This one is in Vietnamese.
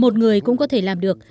một người cũng có thể làm được